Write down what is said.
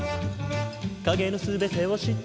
「影の全てを知っている」